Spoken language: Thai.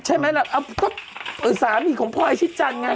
ใช่ไหมล่ะก็สามีของพลอยชิดจันทร์ไง